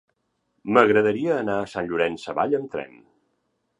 M'agradaria anar a Sant Llorenç Savall amb tren.